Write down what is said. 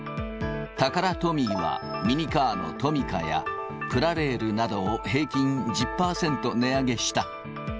タカラトミーは、ミニカーのトミカやプラレールなどを平均１０％値上げした。